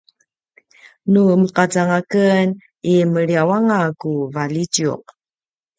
nu meqaca anga ken i meliyaw anga ku valjitjuq